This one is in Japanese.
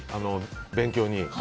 勉強に。